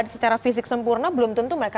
secara fisik sempurna belum tentu mereka